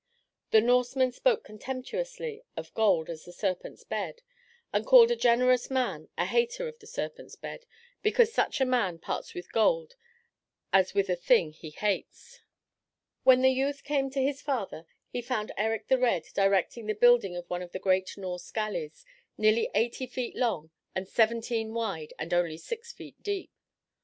The Norsemen spoke contemptuously of gold as "the serpent's bed," and called a generous man "a hater of the serpent's bed," because such a man parts with gold as with a thing he hates. When the youth came to his father, he found Erik the Red directing the building of one of the great Norse galleys, nearly eighty feet long and seventeen wide and only six feet deep.